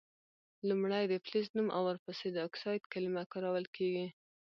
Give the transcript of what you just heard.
لومړۍ د فلز نوم او ور پسي د اکسایډ کلمه کارول کیږي.